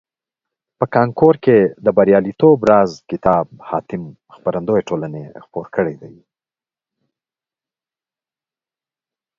په کانکور کې د بریالیتوب راز کتاب حاتم خپرندویه ټولني خپور کړیده.